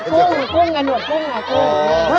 กุ้งกุ้งกับหนวดกุ้งค่ะกุ้ง